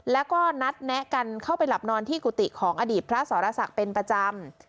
แล้วก็นัดแนะกันเข้าไปหลับนอนที่กุฏิของอดีตพระสรศักดิ์เป็นประจำ